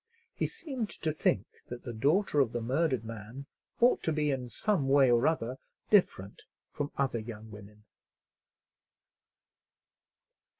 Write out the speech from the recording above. He seemed to think that the daughter of the murdered man ought to be, in some way or other, different from other young women.